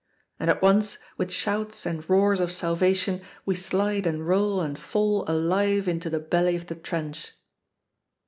And at once, with shouts and roars of salvation, we slide and roll and fall alive into the belly of the trench!